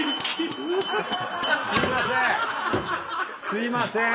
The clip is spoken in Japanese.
すいません。